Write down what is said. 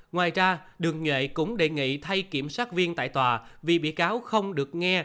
ngoài ra đường nhuệ cũng đề nghị thay kiểm sát viên tại tòa vì bị cáo không được nghe